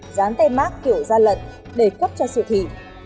dán tay mát kiểu da lận để cấp cho siêu thị